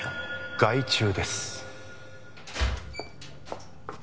☎害虫です